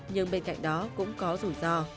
nhưng bên cạnh đó cũng có rủi ro